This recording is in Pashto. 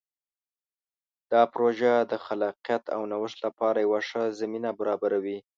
دا پروژه د خلاقیت او نوښت لپاره یوه ښه زمینه برابروي.